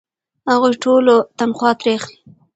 هغوی ټوله تنخوا ترې اخلي.